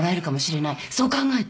そう考えて。